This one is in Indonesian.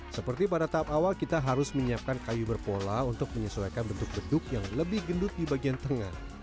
seperti pada tahap awal kita harus menyiapkan kayu berpola untuk menyesuaikan bentuk beduk yang lebih gendut di bagian tengah